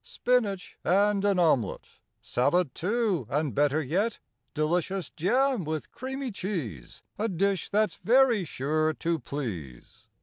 Spinach and an omelette, Salad, too, and better yet Delicious jam with creamy cheese— A dish that's very sure to please!